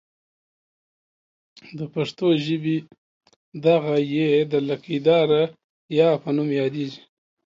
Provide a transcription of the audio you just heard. د پښتو ژبې دغه ۍ د لکۍ داره یا په نوم یادیږي.